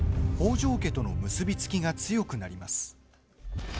北条家との結び付きが強くなります。